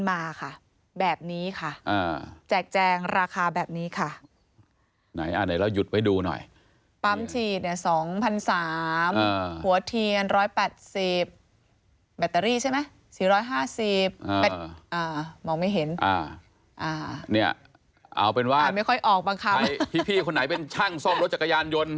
อ่าเนี่ยเอาเป็นว่าอ่าไม่ค่อยออกบางคำพี่พี่คนไหนเป็นช่างซ่อมรถจักรยานยนต์